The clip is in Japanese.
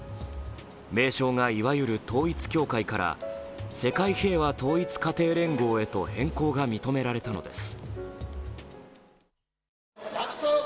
名称がいわゆる統一教会から世界平和統一家庭連合へと変更が認められたのです。